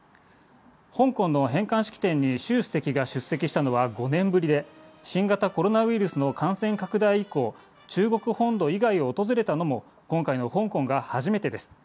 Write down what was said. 香港の返還式典にシュウ主席が出席したのは５年ぶりで、新型コロナウイルスの感染拡大以降、中国本土以外を訪れたのも今回の香港が初めてです。